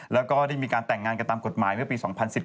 แล้วก็ได้มีการแต่งงานกันตามกฎหมายเมื่อปี๒๐๑๘